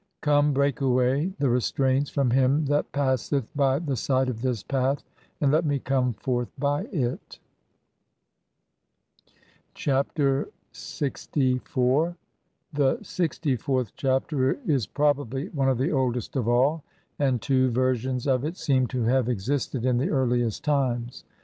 Come, break away (4) "the restraints from him that passeth by the side of this path, "and let me come forth by it." 112 THE CHAPTERS OF COMIXG FORTH BY DAY. Chapter LXIV. The LXIVth Chapter is probably one of the oldest of all, and two versions of it seem to have existed in the earliest times.